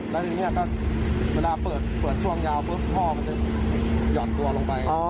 แล้วถึงเวลาเปิดช่วงยาวท่อจะหยอดตัวลงไป